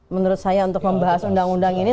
menurut saya untuk membahas undang undang ini